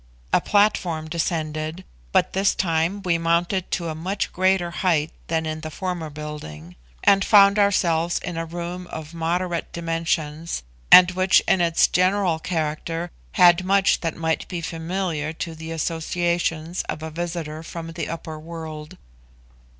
A platform descended, but this time we mounted to a much greater height than in the former building, and found ourselves in a room of moderate dimensions, and which in its general character had much that might be familiar to the associations of a visitor from the upper world.